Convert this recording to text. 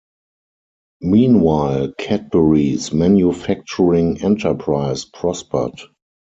Meanwhile, Cadbury's manufacturing enterprise prospered.